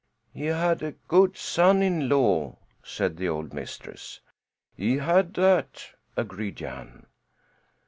"He had a good son in law," said the old mistress. "He had that," agreed Jan.